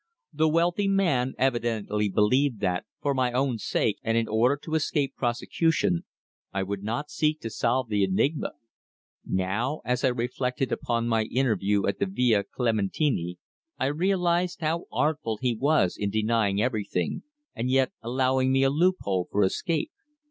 The wealthy man evidently believed that, for my own sake and in order to escape prosecution, I would not seek to solve the enigma. Now, as I reflected upon my interview at the Villa Clementini, I realized how artful he was in denying everything, and yet allowing me a loophole for escape.